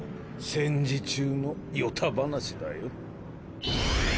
戦時中の与太話だよ。